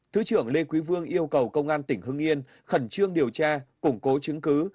thứ trưởng lê quý vương yêu cầu công an tỉnh hưng yên khẩn trương điều tra củng cố chứng cứ